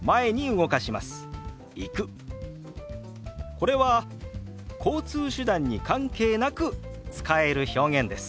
これは交通手段に関係なく使える表現です。